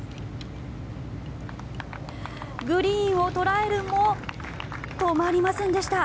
グリーンを捉えるも止まりませんでした。